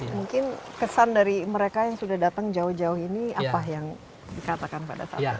mungkin kesan dari mereka yang sudah datang jauh jauh ini apa yang dikatakan pada saat itu